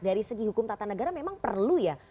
dari segi hukum tata negara memang perlu ya